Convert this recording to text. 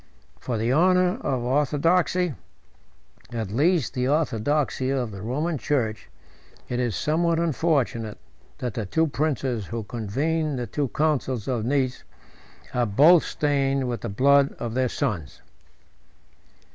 80 For the honor of orthodoxy, at least the orthodoxy of the Roman church, it is somewhat unfortunate, that the two princes who convened the two councils of Nice are both stained with the blood of their sons.